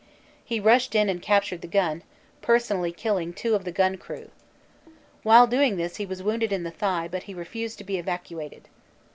He rushed in and captured the gun, personally killing two of the gun crew. While doing this he was wounded in the thigh but he refused to be evacuated.